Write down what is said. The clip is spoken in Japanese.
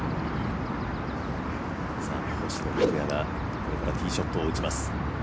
星野陸也がこれからティーショットを打ちます。